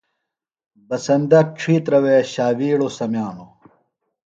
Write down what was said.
بسندہ ڇِھترہ وے ݜاوِیڑوۡ سمِیانوۡ۔